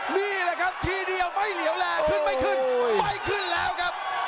นี่แหละครับทีเดียวไม่เหลวแลขึ้นไม่ขึ้นไม่ขึ้นแล้วครับ